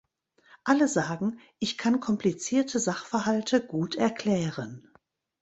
Alle sagen, ich kann komplizierte Sachverhalte gut erklären.